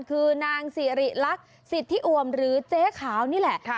คือนางซีริรักษิตที่อวมหรือเจ๊ขาวนี่แหละค่ะ